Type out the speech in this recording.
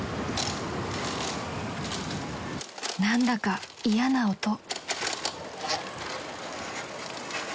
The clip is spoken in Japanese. ［何だか嫌な音］